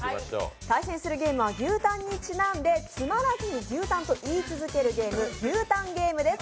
対戦するゲームは牛タンにちなんでつまらずに牛タンと言い続けるゲーム、牛タンゲームです。